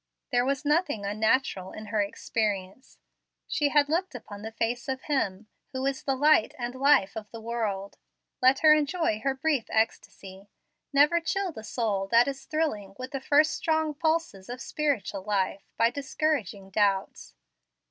There was nothing unnatural in her experience. She had looked upon the face of Him who is the light and life of the world. Let her enjoy the brief ecstasy. Never chill the soul that is thrilling with the first strong pulses of spiritual life by discouraging doubts.